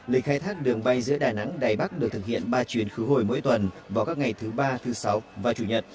lịch khai thác đường bay giữa đà nẵng đài bắc được thực hiện ba chuyến khứ hồi mỗi tuần vào các ngày thứ ba thứ sáu và chủ nhật